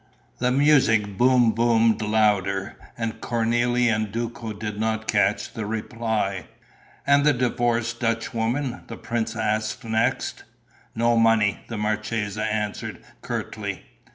The music boom boomed louder; and Cornélie and Duco did not catch the reply. "And the divorced Dutchwoman?" the prince asked next. "No money," the marchesa answered, curtly.